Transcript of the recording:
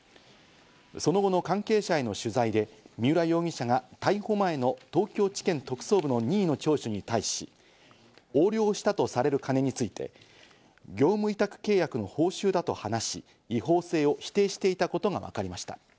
その後の関係者への取材で三浦容疑者が逮捕前の東京地検特捜部の任意の聴取に対し、横領したとされる金について、業務委託契約の報酬だと話し、違法性を否定していたことがわかりました。